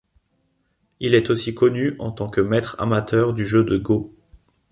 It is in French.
Il est aussi connu en tant que maître amateur du jeu de go.